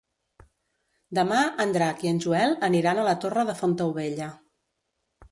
Demà en Drac i en Joel aniran a la Torre de Fontaubella.